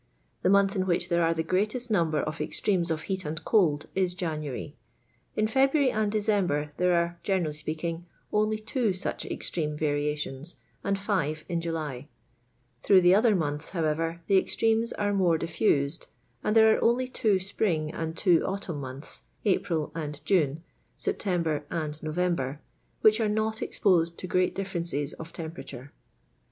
The month in which there are the gioatest namber of extremes of heat and cold is January. In February and December there are (genenlly speaking) only two such extreme Tariationi, and i fiTe iu July; through the other months, how ever, the extremes are mora difiused, and there are only two spring and two autumn months (April and June— September and November), which are not exposed to great differences of temperature.